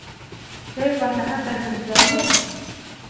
Сәй ҡайнаһа, тәме бөтә уның.